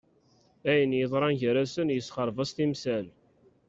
Ayen yeḍran gar-asen yessexreb-as timsal.